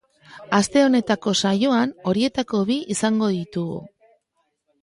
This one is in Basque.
Aste honetako saioan horietako bi izango ditugu.